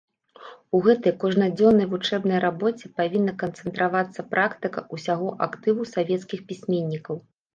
У гэтай кожнадзённай вучэбнай рабоце павінна канцэнтравацца практыка ўсяго актыву савецкіх пісьменнікаў.